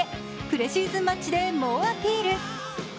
プレシーズンマッチで猛アピール。